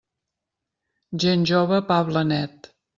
Gent jove, pa blanet.